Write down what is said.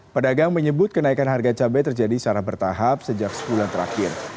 pedagang menyebut kenaikan harga cabai terjadi secara bertahap sejak sebulan terakhir